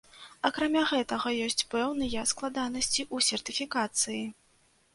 Акрамя гэтага ёсць пэўныя складанасці ў сертыфікацыі.